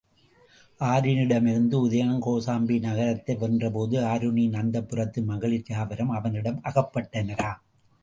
ஆருணியிடமிருந்து உதயணன் கோசாம்பி நகரத்தை வென்றபோது, ஆருணியின் அந்தப்புரத்து மகளிர் யாவரும் அவனிடம் அகப்பட்டனராம்.